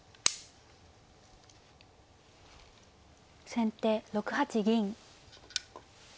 先手６八銀。